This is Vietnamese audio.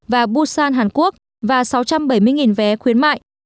và busan hàn quốc và sáu trăm bảy mươi vé khuyến mại